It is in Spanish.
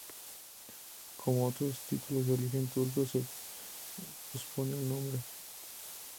Como otros títulos de origen turco, se pospone al nombre.